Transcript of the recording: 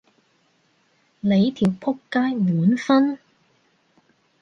你條僕街滿分？